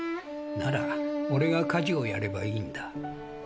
なら、俺が家事をやればいいんだ。